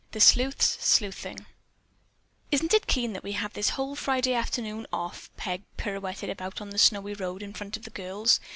THE SLEUTHS SLEUTHING "Isn't it keen that we have this whole Friday afternoon off?" Peg pirouetted about on the snowy road in front of the girls.